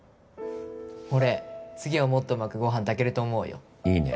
俺次はもっとうまくご飯炊けるといいね。